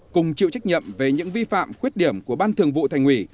cùng chịu trách nhiệm về những vi phạm khuyết điểm của ban thường vụ thành ủy